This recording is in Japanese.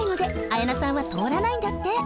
やなさんはとおらないんだって。